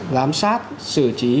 giám sát xử trí